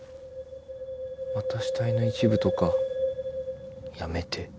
また死体の一部とかやめて。